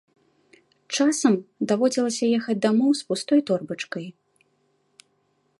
Часам даводзілася ехаць дамоў з пустой торбачкай.